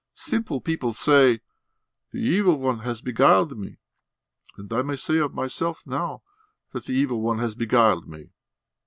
Simple people say: 'The Evil One has beguiled me.' And I may say of myself now that the Evil One has beguiled me."